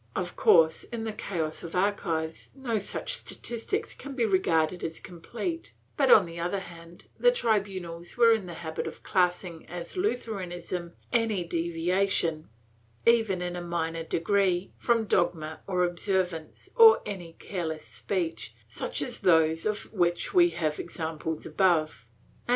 ^ Of course, in the chaos of archives, no such statistics can be regarded as complete, but, on the other hand, the tribunals were in the habit of classing as "Lutheranism" any deviation, even in a minor degree, from dogma or observance, or any careless speech, such as those of which we have had examples above.